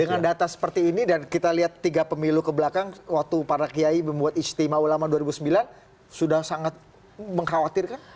dengan data seperti ini dan kita lihat tiga pemilu kebelakang waktu para kiai membuat istimewa ulama dua ribu sembilan sudah sangat mengkhawatirkan